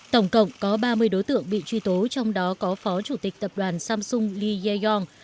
tổng cộng có ba mươi đối tượng bị truy tố trong đó có phó chủ tịch tập đoàn samsung li yai yong